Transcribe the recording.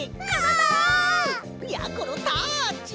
やころタッチ！